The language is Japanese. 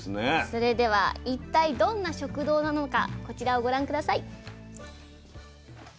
それでは一体どんな食堂なのかこちらをご覧下さい。